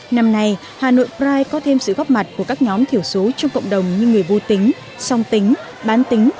năm nay hà nội pride có thêm sự góp mặt của các nhóm thiểu số trong cộng đồng như người vô tính song tính bán tính